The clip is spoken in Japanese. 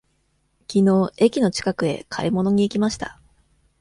きのう駅の近くへ買い物に行きました。